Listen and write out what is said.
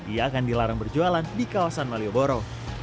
ia akan dilarang berjualan di kawasan malioboro